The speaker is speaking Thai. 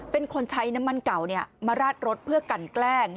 เป็นคนใช้น้ำมันเก่ามาราดรถเพื่อกันแกล้ง